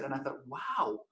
dan saya pikir wow